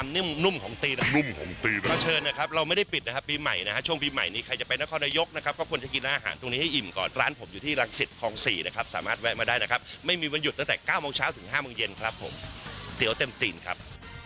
ไม่มีวันหยุดตั้งแต่๙โมงเช้าถึง๕โมงเย็นครับผมเตี๋วเต็มตีนครับ